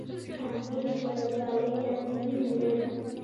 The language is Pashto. کامدیش ولسوالۍ ځنګلونه لري؟